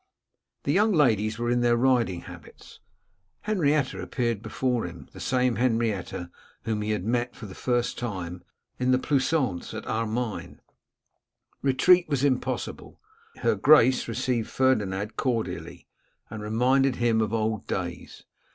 The young ladies were in their riding habits. Henrietta appeared before him, the same Henrietta whom he had met, for the first time, in the pleasaunce at Armine. Retreat was impossible. Her Grace received Ferdinand cordially, and reminded him of old days.